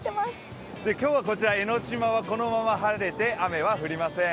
今日はこちら江の島はこのまま晴れて、雨は降りません。